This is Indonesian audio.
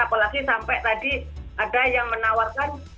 apalagi sampai tadi ada yang menawarkan